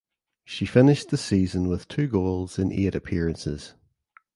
She finished the season with two goals in eight appearances.